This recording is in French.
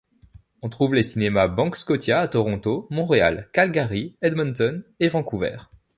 On trouve les cinémas Banque Scotia à Toronto, Montréal, Calgary, Edmonton et Vancouver.